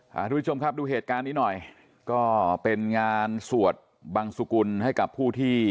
ทุกผู้ชมครับดูเหตุการณ์นี้หน่อยก็เป็นงานสวดบังสุกุลให้กับผู้ที่